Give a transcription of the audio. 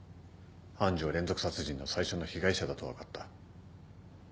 愛珠は連続殺人の最初の被害者だと分かった。